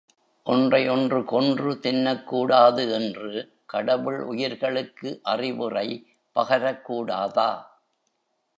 ஒன்றை ஒன்று கொன்று தின்னக் கூடாது என்று கடவுள் உயிர்களுக்கு அறிவுரை பகரக் கூடாதா?